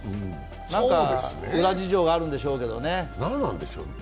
何か裏事情があるんでしょうけどね。